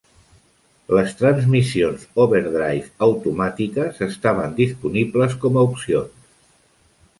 Les transmissions overdrive automàtiques estaven disponibles com a opcions.